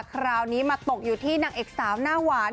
คราวนี้มาตกอยู่ที่นางเอกสาวหน้าหวาน